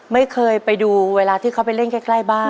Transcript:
ไม่เคยไปดูเวลาที่เขาไปเล่นใกล้บ้าน